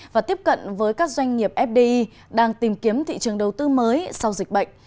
và tiếp cận với các doanh nghiệp fdi đang tìm kiếm thị trường đầu tư mới sau dịch bệnh